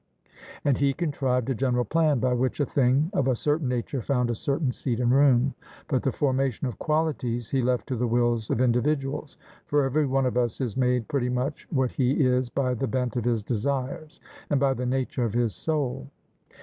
And he contrived a general plan by which a thing of a certain nature found a certain seat and room. But the formation of qualities he left to the wills of individuals. For every one of us is made pretty much what he is by the bent of his desires and the nature of his soul.